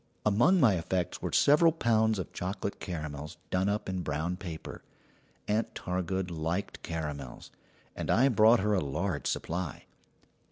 Among my effects were several pounds of chocolate caramels done up in brown paper. Aunt Targood liked caramels, and I brought her a large supply.